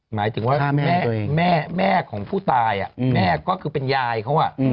หมายถึงว่าแม่ของผู้ตายแม่ก็คือเป็นยายเขา